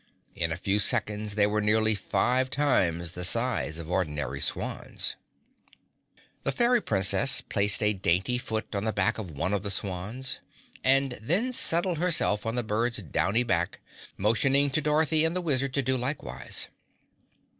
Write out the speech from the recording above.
In a few seconds they were nearly five times the size of ordinary swans. The Fairy Princess placed a dainty foot on the back of one of the swans, and then settled herself on the bird's downy back, motioning to Dorothy and the Wizard to do likewise.